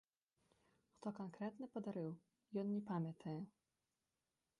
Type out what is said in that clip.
Хто канкрэтна падарыў, ён не памятае.